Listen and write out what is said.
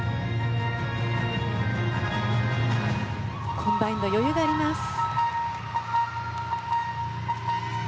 コンバインド余裕がありました。